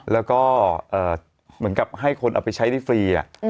แล้วก็เหมือนกับให้คนเอาไปใช้ได้ฟรี